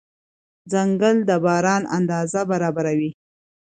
ځنګل د باران اندازه برابروي.